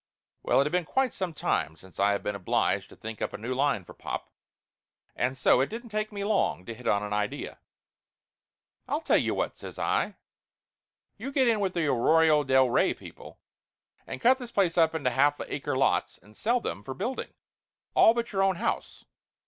Well, it had been quite some time since I had been obliged to think up a new line for pop, and so it didn't take me long to hit on a idea. "I'll tell you what," says I "you get in with the Arroyo bel Rey people, and cut this place up into half acre lots and sell them for building, all but your own house.